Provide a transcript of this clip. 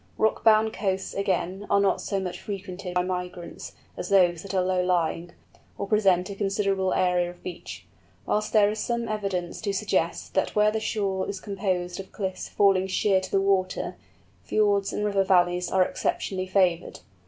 Rock bound coasts, again, are not so much frequented by migrants as those that are low lying, or present a considerable area of beach; whilst there is some evidence to suggest that where the shore is composed of cliffs falling sheer to the water, fjords and river valleys are exceptionally favoured.